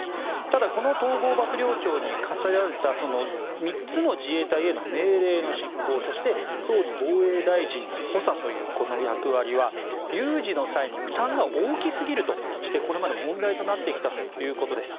ただこの統合幕僚長に課せられた３つの自衛隊への命令の執行そして、総理・防衛大臣の補佐というこの役割は有事の際に負担が大きすぎるとしてこれまで問題となってきたということです。